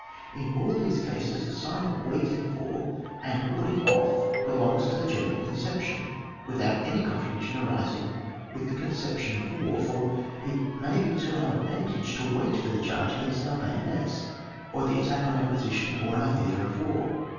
In all these cases the sign of waiting for and warding off belongs to the general conception, without any contradiction arising with the conception of war« for it may be to our advantage to wait for the charge against our bayonets, or the attack on our position or our theatre of war.